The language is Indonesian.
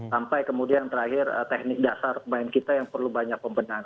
sampai kemudian terakhir teknik dasar pemain kita yang perlu banyak pembenahan